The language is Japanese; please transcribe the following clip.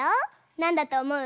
なんだとおもう？